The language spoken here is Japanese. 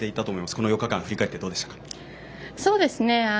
この４日間振り返っていかがですか？